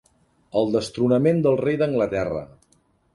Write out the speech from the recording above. El destronament del rei d'Anglaterra.